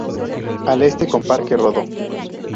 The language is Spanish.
Al este con Parque Rodó.